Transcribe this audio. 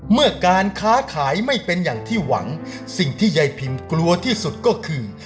เมื่อการค้าขายไม่เป็นอย่างที่หวังสิ่งที่ยายพิมกลัวที่สุดก็คือ